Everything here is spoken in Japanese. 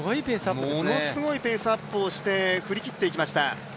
ものすごいペースアップをして振り切っていきました。